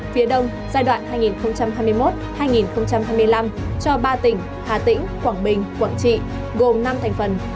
phía đông giai đoạn hai nghìn hai mươi một hai nghìn hai mươi năm cho ba tỉnh hà tĩnh quảng bình quảng trị gồm năm thành phần